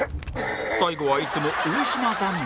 最後はいつも上島頼み